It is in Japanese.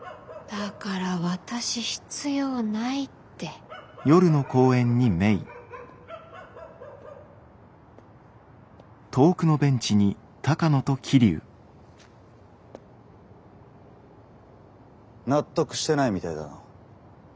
だから私必要ないって。納得してないみたいだな。